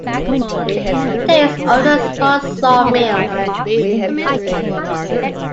There is also a small sawmill.